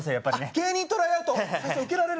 芸人トライアウト